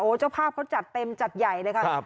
เจ้าภาพเขาจัดเต็มจัดใหญ่เลยค่ะ